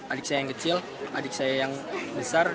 adik saya yang kecil adik saya yang besar